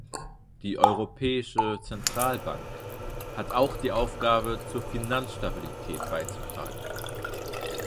Die Europäische Zentralbank hat auch die Aufgabe, zur Finanzstabilität beizutragen.